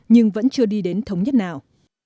nhưng vẫn chưa đi đến thống nhất nào